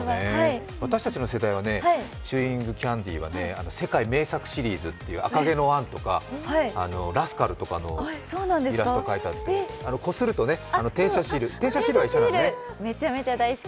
私たちの世代はね、チューイングキャンディーは世界名作シリーズって、「赤毛のアン」とか「ラスカル」とかのイラストが描いてあってこすると転写シール、転写シールは一緒なのね。